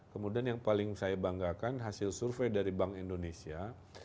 kemudian yang paling saya banggakan hasil survei dari bank indonesia